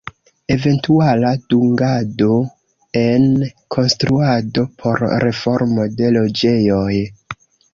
Eventuala dungado en konstruado por reformo de loĝejoj.